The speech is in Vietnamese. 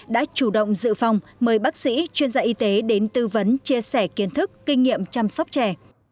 đã chủ động dự phòng mời bác sĩ chuyên gia y tế đến tư vấn chia sẻ kiến thức kinh nghiệm chăm sóc trẻ